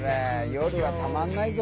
夜はたまんないぞ！